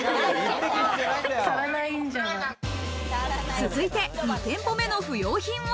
続いて２店舗目の不用品は。